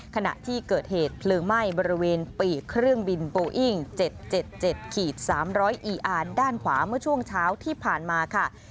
ขณะที่เกิดเหตุเพลิงไหม้บริเวณปีกเครื่องบินบออิ้งเจ็ดเจ็ดเจ็ดขีดสามร้อยอีอาร์ด้านขวาเมื่อช่วงเช้าที่ผ่านมาค่ะ